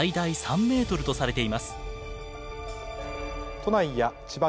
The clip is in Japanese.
都内や千葉県